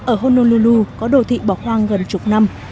ở honolulu có đô thị bỏ khoang gần chục năm